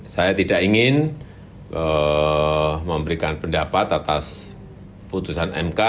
saya tidak ingin memberikan pendapat atas putusan mk